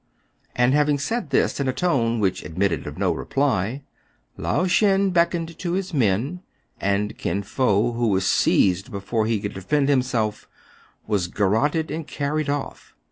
And having said this, in a tone which admitted of no reply, Lao Shen beckoned to his men ; and Kin Fo, who was seized before he could defend himself, was garroted and carried off.